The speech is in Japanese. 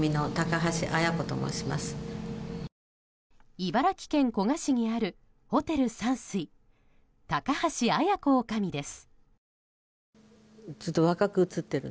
茨城県古河市にあるホテル山水高橋采子女将です。